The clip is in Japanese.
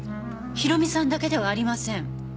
宏美さんだけではありません。